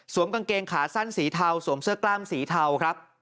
กางเกงขาสั้นสีเทาสวมเสื้อกล้ามสีเทาครับ